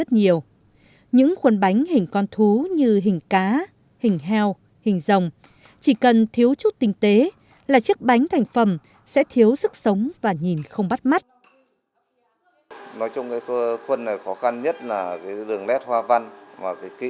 thế nhưng cái nghề khuôn bánh này thì tôi nhà tôi